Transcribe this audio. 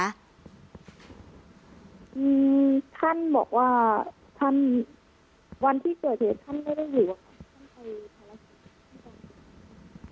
อืมท่านบอกว่าท่านวันที่เกิดเหตุท่านไม่ได้อยู่